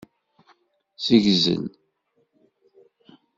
Ssegzel.